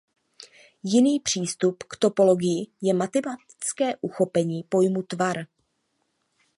Jiný přístup k topologii je matematické uchopení pojmu "tvar".